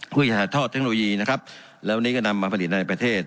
เพื่อจะหัดทอดเทคโนโลยีและวันนี้นำมาผลิตในประเทศ